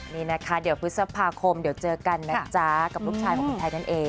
นี่นะคะเดี๋ยวพฤษภาคมเดี๋ยวเจอกันนะจ๊ะกับลูกชายของคุณไทยนั่นเอง